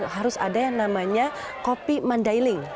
harus ada yang namanya kopi mandailing